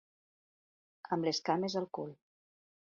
Amb les cames al cul.